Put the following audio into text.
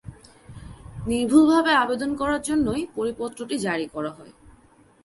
নির্ভুলভাবে আবেদন করার জন্যই পরিপত্রটি জারি করা হয়।